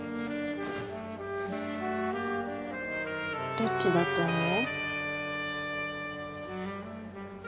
どっちだと思う？